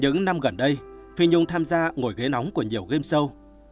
những năm gần đây phi nhung tham gia ngồi ghế nóng của nhiều game show